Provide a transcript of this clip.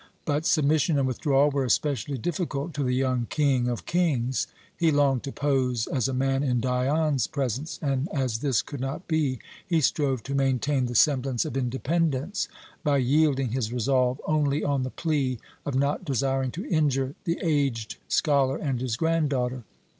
But submission and withdrawal were especially difficult to the young "King of kings." He longed to pose as a man in Dion's presence, and as this could not be, he strove to maintain the semblance of independence by yielding his resolve only on the plea of not desiring to injure the aged scholar and his granddaughter.